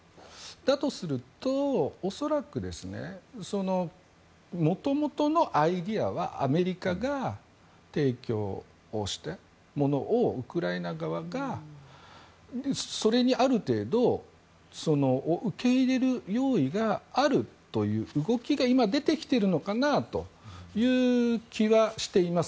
だとすると、恐らく元々のアイデアはアメリカが提供をしたものをウクライナ側がそれにある程度、受け入れる用意があるという動きが今、出てきているのかなという気はしています。